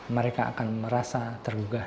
mereka akan merasa tergugah